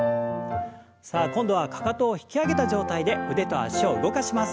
さあ今度はかかとを引き上げた状態で腕と脚を動かします。